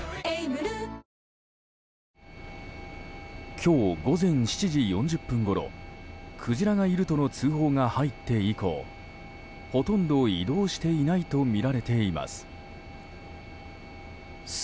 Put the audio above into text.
今日午前７時４０分ごろクジラがいるとの通報が入って以降ほとんど移動していないとみられています。